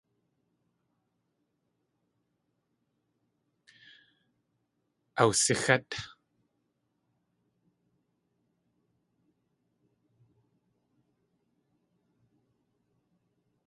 Awsixét.